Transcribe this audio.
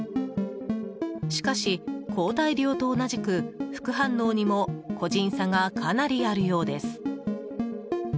しかし、抗体量と同じく副反応にも個人差がかなりあるようです。